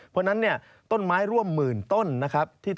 เพราะฉะนั้นเนี่ยต้นไม้ร่วมหมื่นต้นนะครับ